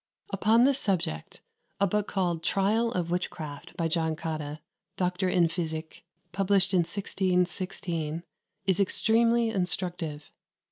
Upon this subject a book called "Tryal of Witchcraft," by John Cotta, "Doctor in Physike," published in 1616, is extremely instructive.